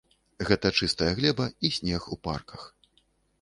Гэта чыстая глеба і снег у парках.